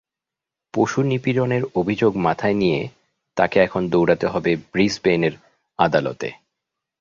পশু নিপীড়নের অভিযোগ মাথায় নিয়ে তাঁকে এখন দৌড়াতে হবে ব্রিসবেনের আদালতে।